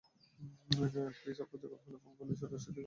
Fridge অকার্যকর হলে phone করলেই ওরা সেটি ঠিক করে দিয়ে আসে।